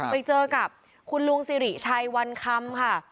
ไปเจอกับคุณลุงสิริชัยวันคำค่ะ